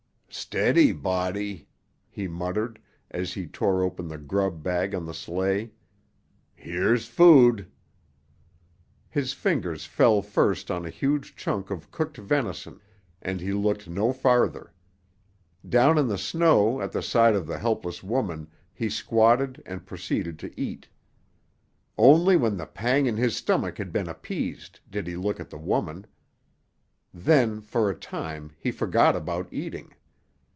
"Steady, Body," he muttered, as he tore open the grub bag on the sleigh. "Here's food." His fingers fell first on a huge chunk of cooked venison, and he looked no farther. Down in the snow at the side of the helpless woman he squatted and proceeded to eat. Only when the pang in his stomach had been appeased did he look at the woman. Then, for a time, he forgot about eating.